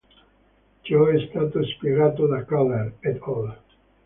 Ciò è stato spiegato da Keller "et al.